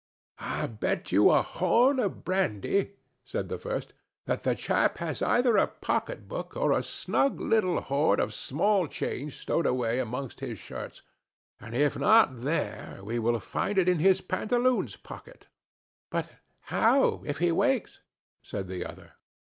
"I'll bet you a horn of brandy," said the first, "that the chap has either a pocketbook or a snug little hoard of small change stowed away amongst his shirts. And if not there, we will find it in his pantaloons pocket." "But how if he wakes?" said the other.